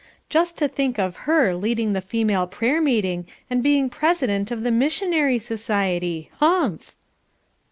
Just to think of her leading the female prayer meeting and being president of the Missionary society, humph!